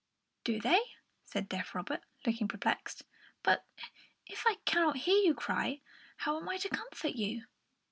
"Do they?" said deaf Robert, looking perplexed. "But if I cannot hear you cry, how am I to comfort you?"